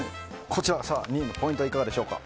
こちら２位のポイントはいかがでしょうか。